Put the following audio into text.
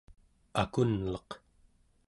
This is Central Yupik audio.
akunleq